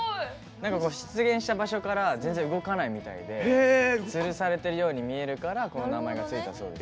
出現した場所から全然、動かないみたいで吊るされてるみたいに見えるからこの名前が付いたそうです。